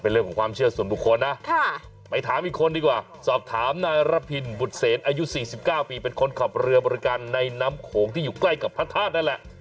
เรื่องของความเชื่อส่วนบุคคลนะไปถามอีกคนดีกว่าสอบถามนายระพินบุตรเสนอายุ๔๙ปีเป็นคนขับเรือบริการในน้ำโขงที่อยู่ใกล้กับพระธาตุนั่นแหละ